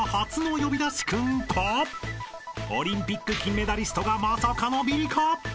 ［オリンピック金メダリストがまさかのビリか？］